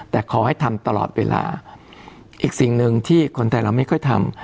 แต่ขอให้ทำตลอดเวลาอีกสิ่งหนึ่งที่คนไทยเราไม่ค่อยทำ